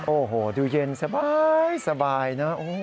โอ้โหดูเย็นสบายนะ